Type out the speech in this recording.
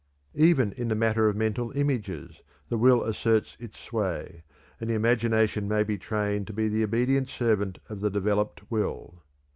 Even in the matter of mental images the will asserts its sway, and the imagination may be trained to be the obedient servant of the developed will.